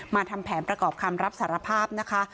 ทำแผนประกอบคำรับสารภาพนะคะ